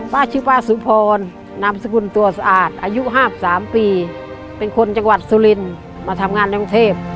ป้าชื่อป้าสุพรนามสกุลตัวสะอาดอายุ๕๓ปีเป็นคนจังหวัดสุรินมาทำงานในกรุงเทพ